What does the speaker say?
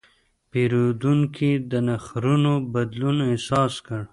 پیرودونکی د نرخونو بدلون احساس کړ.